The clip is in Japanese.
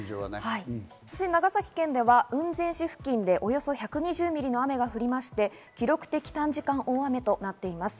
長崎県では雲仙市付近でおよそ１２０ミリの雨が降りまして、記録的短時間大雨となっています。